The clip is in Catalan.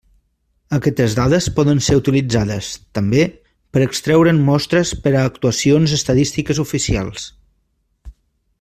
Aquestes dades poden ser utilitzades, també, per extreure'n mostres per a actuacions estadístiques oficials.